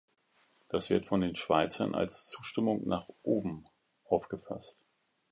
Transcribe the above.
Das wird von den Schweizern als „Zustimmung nach oben“ aufgefasst.